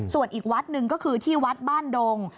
ส่วนอีกวัดหนึ่งก็คือที่วัดบ้านดง